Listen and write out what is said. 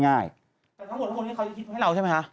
แต่ทั้งหมดทั้งคนนี้เค้าจะคิดมาให้เราใช่ไหมฮะ